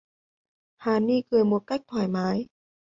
Hà Ni cười một cách thoải mái